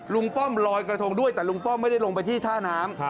ป้อมลอยกระทงด้วยแต่ลุงป้อมไม่ได้ลงไปที่ท่าน้ำ